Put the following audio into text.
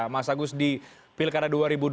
mas agus di pilkada dua ribu dua puluh